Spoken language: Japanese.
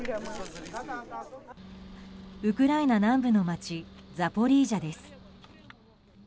ウクライナ南部の街ザポリージャです。